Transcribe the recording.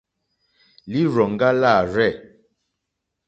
Lírzòŋɡá lârzɛ̂.